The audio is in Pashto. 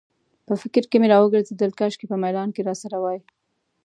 په فکر کې مې راوګرځېدل، کاشکې په میلان کې راسره وای.